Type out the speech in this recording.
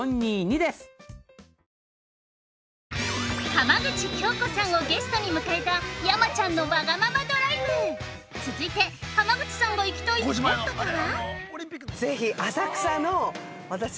◆浜口京子さんをゲストに迎えた「山ちゃんのわがままドライブ」続いて、浜口さんが行きたいスポットとは？